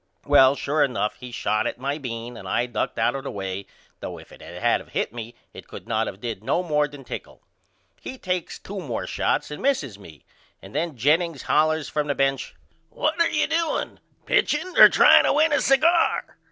Well sure enough he shot at my bean and I ducked out of the way though if it had of hit me it could not of did no more than tickle. He takes 2 more shots and misses me and then Jennings hollers from the bench What are you doing pitching or trying to win a cigar?